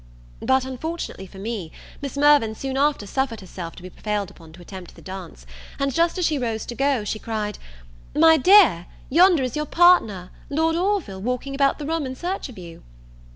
But, unfortunately for me, Miss Mirvan soon after suffered herself to be prevailed upon to attempt the dance; and just as she rose to go, she cried, "My dear, yonder is your partner, Lord Orville walking about the room in search of you."